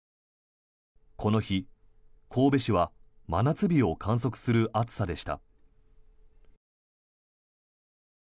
この日、神戸市は真夏日を観測する暑さでした。